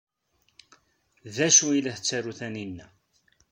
D acu ay la tettaru Taninna?